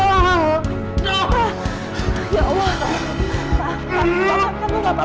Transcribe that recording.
sebentar aku ambil obat dulu ya pak